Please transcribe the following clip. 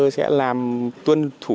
sẽ làm tuân thủ